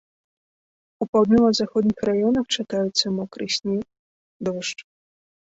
У паўднёва-заходніх раёнах чакаюцца мокры снег, дождж.